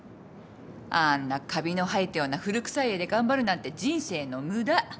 あんなカビの生えたような古くさい家で頑張るなんて人生の無駄。